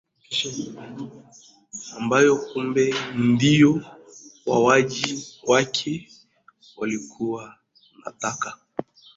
Ambayo kumbe ndiyo wauaji wake walikuwa wanataka